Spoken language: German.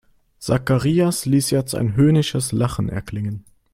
Zacharias ließ jetzt ein höhnisches Lachen erklingen.